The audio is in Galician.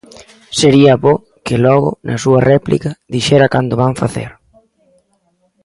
Sería bo que logo, na súa réplica, dixera cando o van facer.